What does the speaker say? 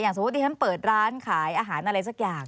สมมุติที่ฉันเปิดร้านขายอาหารอะไรสักอย่าง